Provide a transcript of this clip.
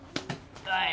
はい！